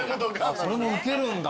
それもウケるんだ。